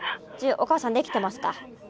おかあさんできてますか？